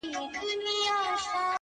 یوه نجلۍ راسي زما په زړه کي غم ساز کړي-